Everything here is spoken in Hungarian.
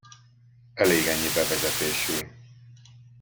Elég ennyi bevezetésül.